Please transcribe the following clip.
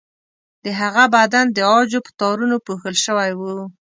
د هغه بدن د عاجو په تارونو پوښل شوی و.